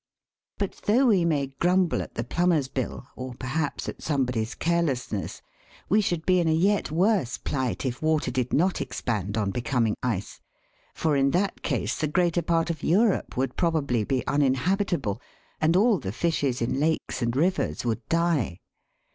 But though we may grumble at the plumber's bill, or perhaps at somebody's carelessness, we should be in a yet worse plight if water did not expand on becoming ice, for in that case the greater part of Europe would probably be uninhabitable, and all the fishes in lakes and rivers would die.